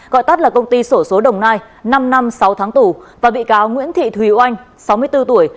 gọi tắt là công ty sổ số đồng nai năm năm sáu tháng tù và bị cáo nguyễn thị thùy oanh sáu mươi bốn tuổi